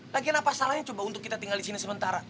lagian apa salahnya coba untuk kita tinggal disini sementara